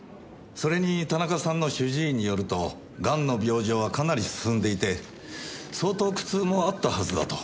それに田中さんの主治医によるとがんの病状はかなり進んでいて相当苦痛もあったはずだと。